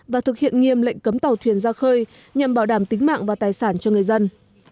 và thực hiện nghiêm lệnh cấm tàu thuyền ra khơi nhằm bảo đảm tính mạng và tài sản cho người dân